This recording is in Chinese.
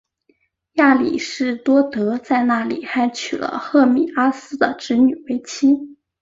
亚里士多德在那里还娶了赫米阿斯的侄女为妻。